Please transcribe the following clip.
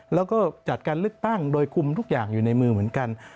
แล้วก็จัดการเลือกตั้งโดยคุมทุกอย่างอยู่ในมือเหมือนกัน